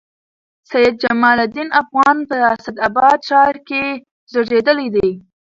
سید جمال الدین افغان په اسعداباد ښار کښي زېږېدلي دئ.